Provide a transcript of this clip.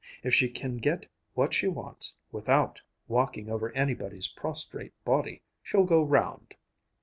If she can get what she wants without walking over anybody's prostrate body, she'll go round.